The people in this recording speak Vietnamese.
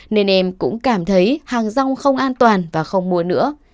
nên em cũng cảm thấy hàng rong không an toàn và không mua nữa